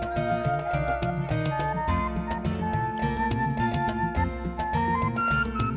tetapi juga bisa untuk pengobatan